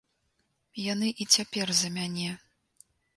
Яны і цяпер за мяне.